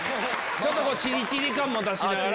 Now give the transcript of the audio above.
ちょっとチリチリ感も出しながら。